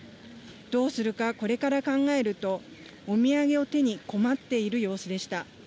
どうするか、これから考えると、お土産を手に困っている様子でした。